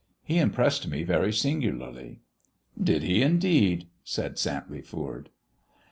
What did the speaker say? He impressed me very singularly." "Did He, indeed?" said Santley Foord.